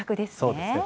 そうですね。